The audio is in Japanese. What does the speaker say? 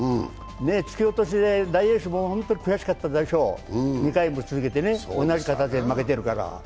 突き落としで大栄翔も本当に悔しかったでしょう、２回も続けて、同じ形で負けているから。